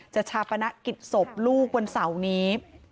ชาปนกิจศพลูกวันเสาร์นี้